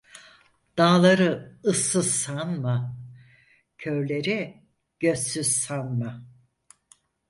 Dağları ıssız sanma, körleri gözsüz sanma.